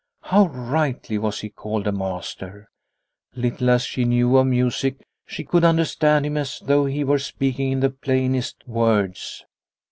How rightly was he called a master ! Little as she knew of music, she could understand him as though he were speaking in the plainest words.